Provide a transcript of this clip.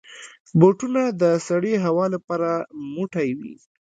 بوټونه د سړې هوا لپاره موټی وي.